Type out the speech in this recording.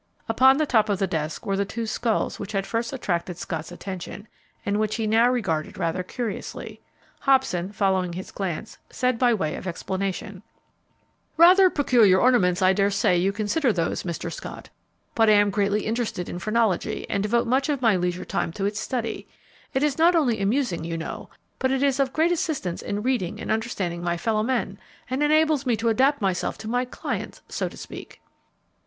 Upon the top of the desk were the two skulls which had first attracted Scott's attention, and which he now regarded rather curiously. Hobson, following his glance, said, by way of explanation, "Rather peculiar ornaments, I dare say, you consider those, Mr. Scott; but I am greatly interested in phrenology and devote much of my leisure time to its study. It is not only amusing, you know, but it is of great assistance in reading and understanding my fellow men, and enables me to adapt myself to my clients, so to speak."